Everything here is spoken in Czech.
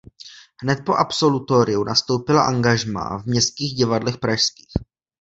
Hned po absolutoriu nastoupila angažmá v Městských divadlech pražských.